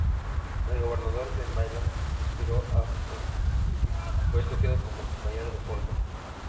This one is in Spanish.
El gobernador de Maryland Spiro Agnew fue escogido como compañero de fórmula.